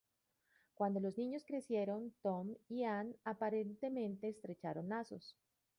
Cuando los niños crecieron, Tom y Ann aparentemente estrecharon lazos.